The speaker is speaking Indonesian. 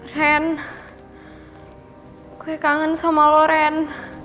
ren gue kangen sama lo ren